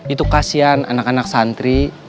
itu kasihan anak anak santri